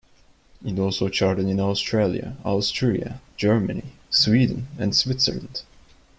It also charted in Australia, Austria, Germany, Sweden and Switzerland.